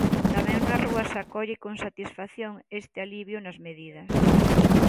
Tamén na rúa se acolle con satisfacción este alivio nas medidas.